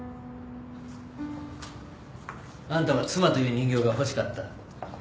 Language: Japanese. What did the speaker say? ・あんたは妻という人形が欲しかった。